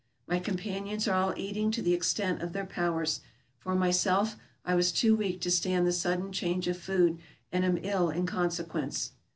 My companions are all eating to the extent of their pow ers ; for myself, I was too weak to stand the sudden change of food, and am ill in consequence.